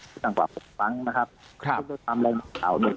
กว่าบนตัวบังนะครับครับต้องเป็นใคราวหนึ่ง